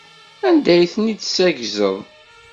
Anda ay ten-tessaggzeḍ?